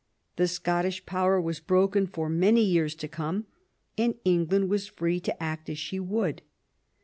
The Scottish power was broken for many years to come, and England was free to act as she would.